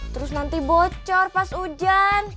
terus nanti bocor pas hujan